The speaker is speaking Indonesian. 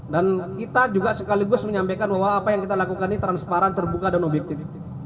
dan kita juga sekaligus menyampaikan bahwa apa yang kita lakukan ini transparan terbuka dan objektif